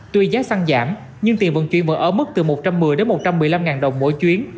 tuy giá xăng giảm nhưng tiền vận chuyển vẫn ở mức từ một trăm một mươi đến một trăm một mươi năm đồng mỗi chuyến